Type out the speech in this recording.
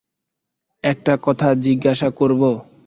একটা কথা জিজ্ঞাসা করব?